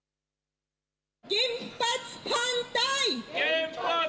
原発反対！